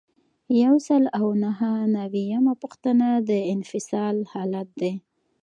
یو سل او نهه نوي یمه پوښتنه د انفصال حالت دی.